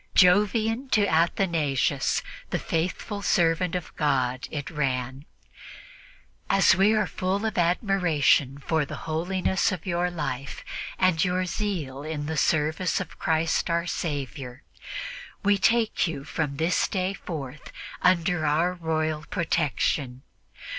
"Jovian to Athanasius, the faithful servant of God," it ran. "As we are full of admiration for the holiness of your life and your zeal in the service of Christ our Saviour, we take you from this day forth under our royal protection.